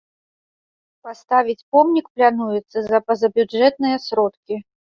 Паставіць помнік плануецца за пазабюджэтныя сродкі.